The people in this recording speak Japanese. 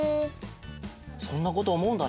そんなことおもうんだねやっぱね。